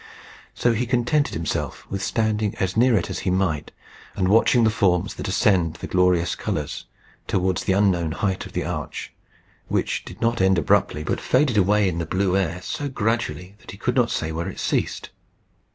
So he contented himself with standing as near it as he might, and watching the forms that ascended the glorious colours towards the unknown height of the arch, which did not end abruptly, but faded away in the blue air, so gradually that he could not say where it ceased.